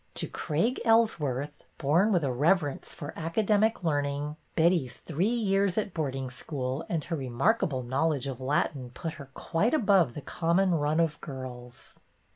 To Craig Ellsworth, born with a reverence for academic learning, Betty's three years at boarding school and her remarkable knowledge of Latin put her quite above the common run of girls.